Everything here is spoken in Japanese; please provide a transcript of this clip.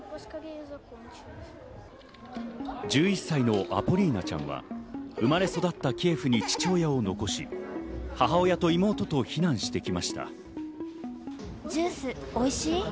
１１歳のアポリーナちゃんは生まれ育ったキエフに父親を残し、母親と妹と避難してきました。